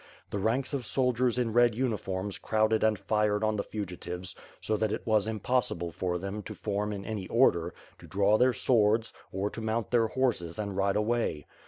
The ranks of soldiers in red uniforms crowded and fired on the fugitives, so that it was impossible for them to form in any order, to draw their swords, or to mount their horses and ride away.